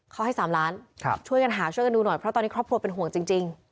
เขาให้๓ล้านช่วยกันหาช่วยกันดูหน่อยเพราะตอนนี้ครอบครัวเป็นห่วงจริง